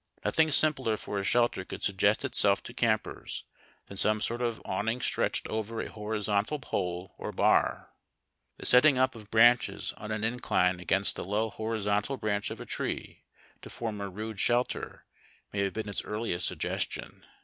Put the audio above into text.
Nothing simpler for a shelter could suggest itself to campers than some sort of awning stretched over a horizontal pole or bar. The setting up of branches on an incline against a low liorizontal l:)ranch of a tree to form a rude shelter may have been its earliest suggestion.